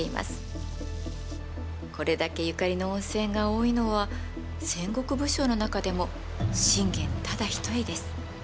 これだけゆかりの温泉が多いのは戦国武将の中でも信玄ただ一人です。